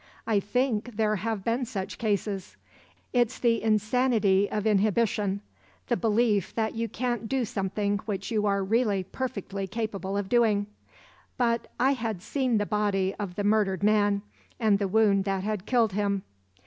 I think there have been such cases. It's the insanity of inhibition, the belief that you can't do something which you are really perfectly capable of doing. But; I had seen the body of the murdered man and the wound that had killed him.